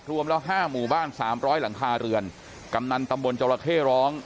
รวมแล้วห้าหมู่บ้านสามร้อยหลังคาเรือนกำนันตำบลจรเข้ร้อง